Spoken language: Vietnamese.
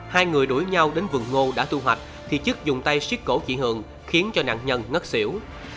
hai người đuổi nhau đến vườn ngô đã thu hoạch thì chức dùng tay xiết cổ chị hường khiến cho nạn nhân ngất xỉu